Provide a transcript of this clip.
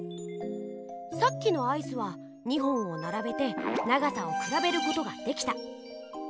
さっきのアイスは２本をならべて長さをくらべることができた。